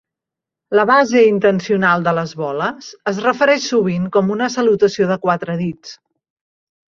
La base intencional de les boles es refereix sovint com una salutació de quatre dits.